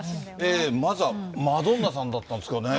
まずはマドンナさんだったんですがね。